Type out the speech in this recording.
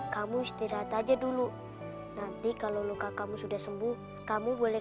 kamu istirahat aja dulu nanti kalau luka kamu sudah sembuh kamu boleh